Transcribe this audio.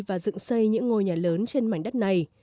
và dựng xây những ngôi nhà lớn trên mảnh đất này